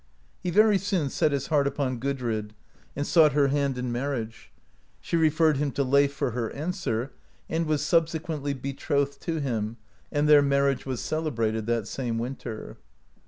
He very soon set his heart upon Gudrid, and sought her hand in marriage; she referred him to Leif for her answer, and was subsequently be trothed to him, and their marriage was celebrated that same winter.